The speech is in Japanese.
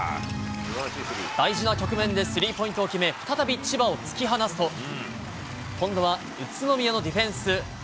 大事な局面でスリーポイントを決め、再び千葉を突き放すと、今度は宇都宮のディフェンス。